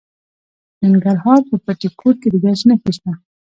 د ننګرهار په بټي کوټ کې د ګچ نښې شته.